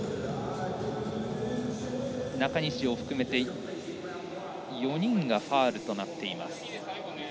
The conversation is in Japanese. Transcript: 中西を含めて４人がファウルとなっています。